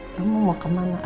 kamu mau kemana